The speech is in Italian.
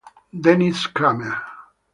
Dennis Kramer